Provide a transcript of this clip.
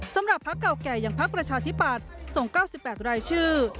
สำหรับพักเก่าแก่อย่างพักประชาธิปัตย์ส่ง๙๘รายชื่อ